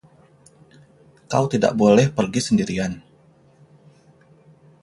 Kau tidak boleh pergi sendirian.